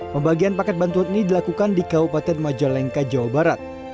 pembagian paket bantuan ini dilakukan di kabupaten majalengka jawa barat